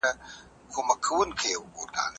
د څيړني هره مرحله جلا لارښوونه غواړي.